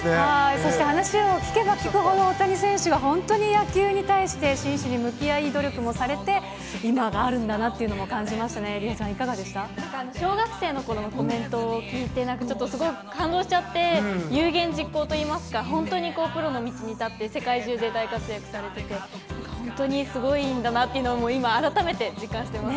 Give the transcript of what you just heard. そして話を聞けば聞くほど、大谷選手が本当に野球に対して真摯に向き合い、努力もされて、今があるんだなというのも感じましたね、梨央さん、小学生のころのコメントを聞いて、すごい感動しちゃって、有言実行といいますか、本当にプロの道に立って世界中で大活躍されてて、本当にすごいんだなっていうのを改めて実感してます。